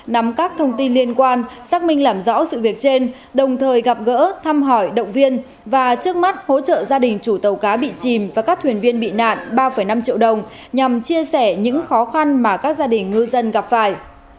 nắm các thông tin liên quan xác minh làm rõ sự việc trên đồng thời gặp gỡ thăm hỏi động viên và trước mắt hỗ trợ gia đình chủ tàu cá bị chìm và các thuyền viên bị nạn ba năm triệu đồng nhằm chia sẻ những khó khăn mà các gia đình ngư dân gặp phải